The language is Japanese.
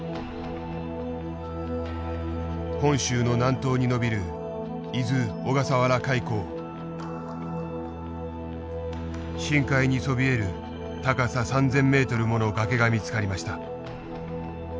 本州の南東に延びる深海にそびえる高さ３，０００ｍもの崖が見つかりました。